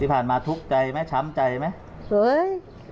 ที่ผ่านมาทุกข์ใจไหมช้ำใจมั้ย